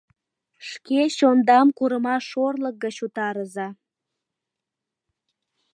Шке чондам курымаш орлык гыч утарыза!